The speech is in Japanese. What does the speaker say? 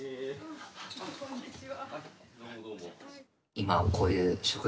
こんにちは。